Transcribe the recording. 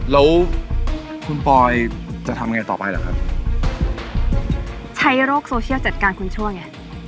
แล้วคุณปอยจะทำยังไงต่อไปเหรอครับใช้โรคโซเชียลจัดการคุณชั่วไง